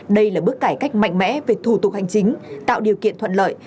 đây là bước cải cách mạnh mẽ về thủ tục hành chính tạo điều kiện thuận lợi